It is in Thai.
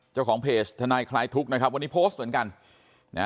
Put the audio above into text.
เจ้าของเพจทนายคลายทุกข์นะครับวันนี้โพสต์เหมือนกันนะฮะ